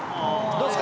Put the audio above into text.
どうっすか？